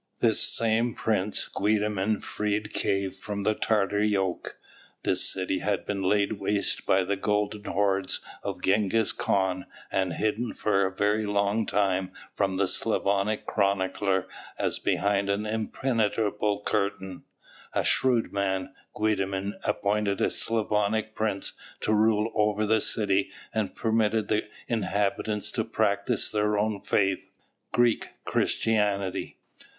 This same Prince Guedimin freed Kieff from the Tatar yoke. This city had been laid waste by the golden hordes of Ghengis Khan and hidden for a very long time from the Slavonic chronicler as behind an impenetrable curtain. A shrewd man, Guedimin appointed a Slavonic prince to rule over the city and permitted the inhabitants to practise their own faith, Greek Christianity.